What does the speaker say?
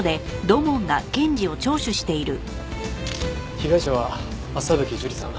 被害者は朝吹樹里さん。